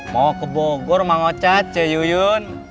mau ke bogor mang ocat ceyuyun